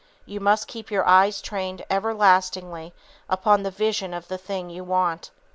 You must keep your eyes trained everlastingly upon the vision of the thing you want.